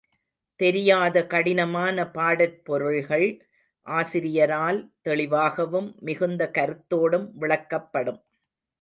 தெரியாத கடினமான பாடற் பொருள்கள், ஆசிரியரால் தெளிவாகவும் மிகுந்த கருத்தோடும் விளக்கப்படும்.